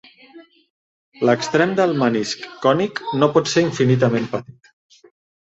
L'extrem del menisc cònic no pot ser infinitament petit.